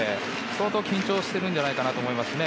相当緊張してるんじゃないかなと思いますね。